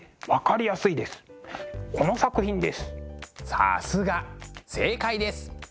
さすが正解です。